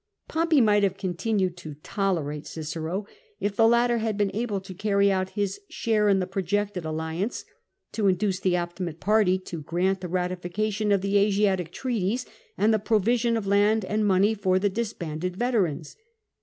Pompey might have continued to tolerate Cicero, if the latter had been able to carry out his share in the pro jected alliance — to induce the Optimate party to grant the ratification of the Asiatic treaties, and the provision of land and money for the disbanded veterans.